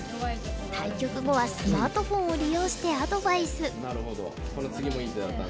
対局後はスマートフォンを利用してアドバイス。